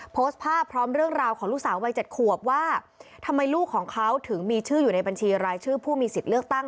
โพสต์ภาพพร้อมเรื่องราวของลูกสาววัยเจ็ดขวบว่าทำไมลูกของเขาถึงมีชื่ออยู่ในบัญชีรายชื่อผู้มีสิทธิ์เลือกตั้ง